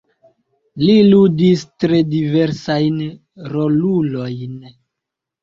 Li ludis tre diversajn rolulojn.